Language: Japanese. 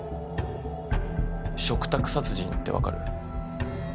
嘱託殺人って分かる？